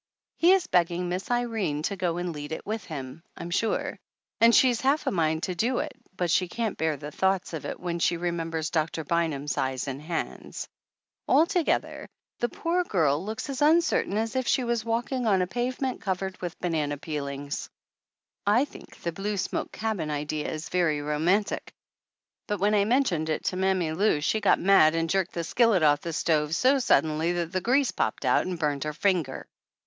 He is begging Miss Irene to go and lead it with him, I'm sure ; and she's half a mind to do it, but can't bear the thoughts of it when she remem bers Doctor Bynum's eyes and hands. Alto gether the poor girl looks as uncertain as if she was walking on a pavement covered with banana peelings. 243 THE ANNALS OF ANN I think the blue smoke cabin idea is very ro mantic, but when I mentioned it to Mammy Lou she got mad and jerked the skillet off the stove so suddenly that the grease popped out and burnt her finger.